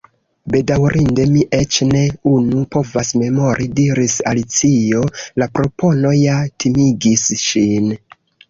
"Bedaŭrinde, mi eĉ ne unu povas memori," diris Alicio. La propono ja timigis ŝin.